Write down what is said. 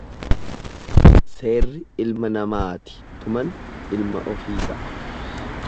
Seerri ilma namaati tuman ilma ofii ga'a.